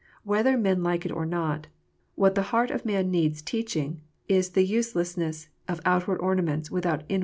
Whether men like it or not, what the heart of man needs teaching, is the use lessness of outward ornaments without inward grace.